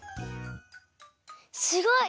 すごい！